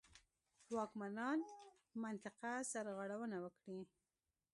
واکمنان منطقه سرغړونه وکړي.